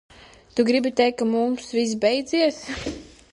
Tu gribi teikt, ka mums viss beidzies?